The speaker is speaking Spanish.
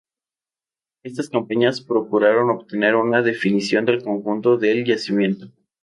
Estas campañas procuraron obtener una definición del conjunto del yacimiento.